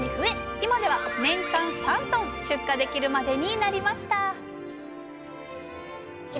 今では年間３ｔ出荷できるまでになりました